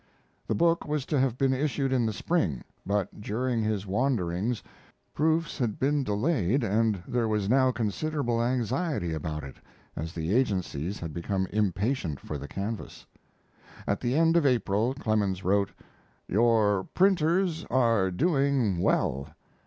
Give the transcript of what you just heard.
The book was to have been issued in the spring, but during his wanderings proofs had been delayed, and there was now considerable anxiety about it, as the agencies had become impatient for the canvass. At the end of April Clemens wrote: "Your printers are doing well.